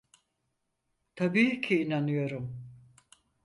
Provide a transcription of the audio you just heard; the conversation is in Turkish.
Tabii ki inanıyorum.